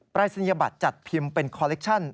รายศนียบัตรจัดพิมพ์เป็นคอลเลคชั่น